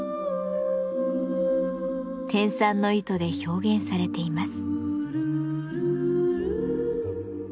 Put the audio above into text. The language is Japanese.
天蚕の糸で表現されています。